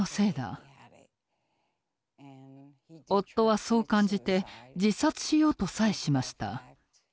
夫はそう感じて自殺しようとさえしました。